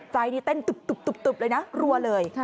ไซด์นี้เต้นตุบเลยนะรัวเลย